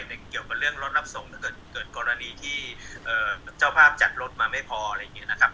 เกี่ยวกับเรื่องรถรับส่งถ้าเกิดเกิดกรณีที่เจ้าภาพจัดรถมาไม่พออะไรอย่างนี้นะครับ